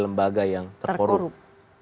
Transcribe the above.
lembaga yang terkorup